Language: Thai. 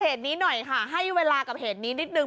เหตุนี้หน่อยค่ะให้เวลากับเหตุนี้นิดนึ